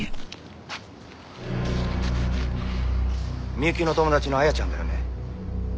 美雪の友達の亜矢ちゃんだよね？